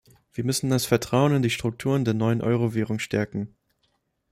Wir müssen das Vertrauen in die Strukturen der neuen Euro-Währung stärken.